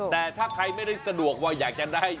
แต่ถ้าใครไม่ได้สะดวกว่าอยากจะได้